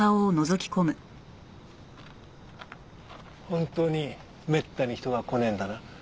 本当にめったに人が来ねえんだな？